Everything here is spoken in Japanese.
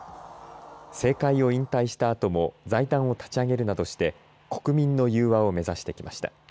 政界を引退したあとも財団を立ち上げるなどして国民の融和を目指してきました。